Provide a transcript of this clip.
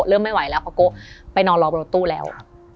เริ่มไม่ไหวแล้วเพราะก็ไปนอนรอบรถตู้แล้ว